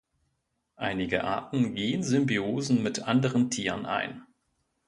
Einige Arten gehen Symbiosen mit anderen Tieren ein.